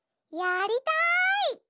やりたい！